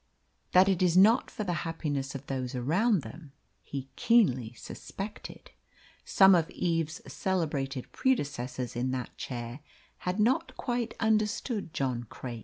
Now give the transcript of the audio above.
That it is not for the happiness of those around them, he keenly suspected. Some of Eve's celebrated predecessors in that chair had not quite understood John Craik.